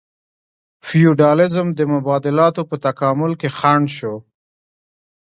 فیوډالیزم د مبادلاتو په تکامل کې خنډ شو.